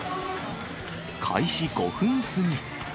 開始５分過ぎ。